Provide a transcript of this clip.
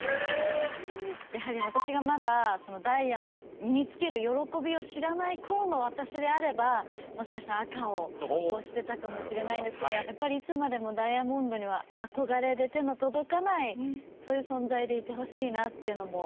やはり私がまだダイヤの身につける喜びを知らない頃の私であればもしかしたら赤を押してたかもしれないですけどやっぱりいつまでもダイヤモンドには憧れで手の届かないそういう存在でいてほしいなっていうのも。